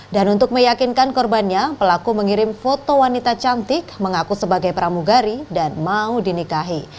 dan untuk meyakinkan korbannya pelaku mengirim foto wanita cantik mengaku sebagai pramugari dan mau dinikahi